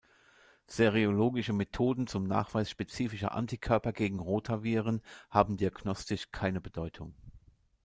Serologische Methoden zum Nachweis spezifischer Antikörper gegen Rotaviren haben diagnostisch keine Bedeutung.